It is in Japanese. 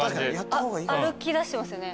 歩きだしてますよね。